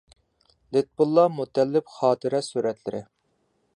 لۇتپۇللا مۇتەللىپ خاتىرە سۈرەتلىرى.